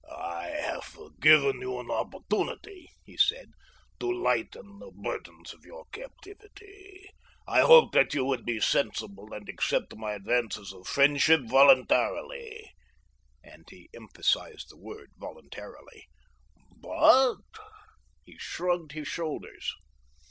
"I have given you an opportunity," he said, "to lighten the burdens of your captivity. I hoped that you would be sensible and accept my advances of friendship voluntarily," and he emphasized the word "voluntarily," "but—" He shrugged his shoulders.